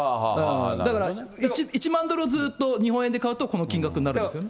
だから、１万ドルをずっと日本円で買うとこの金額になるんですね。